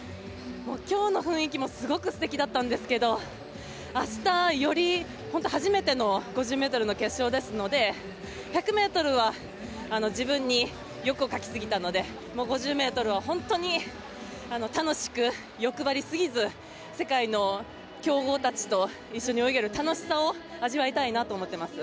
今日の雰囲気もすごく素敵だったんですけど明日はより初めての５０ｍの決勝ですので１００ｍは自分に欲をかきすぎたのでもう５０ｍは本当に楽しく、欲張りすぎず世界の強豪たちと一緒に泳げる楽しさを味わいたいなと思っています。